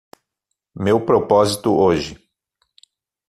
Meu propósito hoje